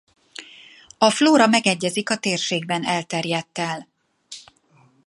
A flóra megegyezik a térségben elterjedttel.